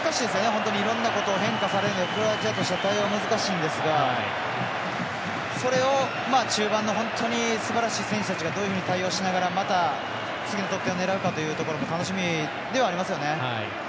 本当にいろんなことを変化する、クロアチアとしては対応、難しいんですがそれを中盤の本当にすばらしい選手たちがどういうふうに対応しながらまた次の得点を狙うかというところも楽しみではありますよね。